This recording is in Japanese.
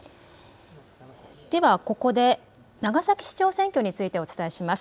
ではここで長崎市長選挙についてお伝えします。